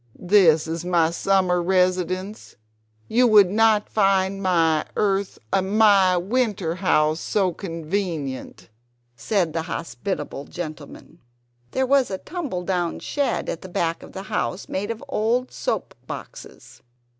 "This is my summer residence; you would not find my earth my winter house so convenient," said the hospitable gentleman. There was a tumbledown shed at the back of the house, made of old soap boxes.